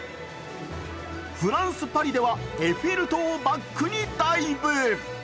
フランス・パリではエッフェル塔をバックにダイブ。